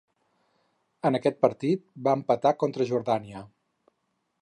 En aquest partit va empatar contra Jordània.